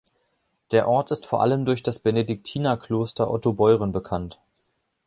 Der Ort ist vor allem durch das Benediktinerkloster Ottobeuren bekannt.